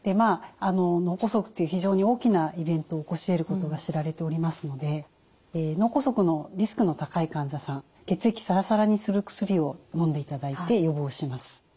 脳梗塞という非常に大きなイベントを起こしえることが知られておりますので脳梗塞のリスクの高い患者さん血液さらさらにする薬をのんでいただいて予防します。